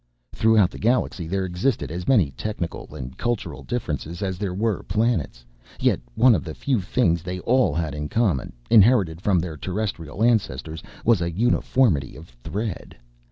Throughout the galaxy there existed as many technical and cultural differences as there were planets, yet one of the few things they all had in common, inherited from their terrestrial ancestors, was a uniformity of thread.